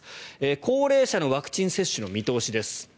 高齢者のワクチン接種の見通しです。